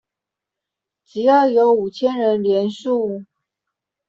只要有五千人連署